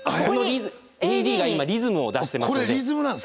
ＡＥＤが今リズムを出してますので。